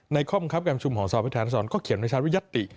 ในข้อบังคับการประชุมของสวทธิฐานสอนก็เขียนไว้ชัดว่ายัตติ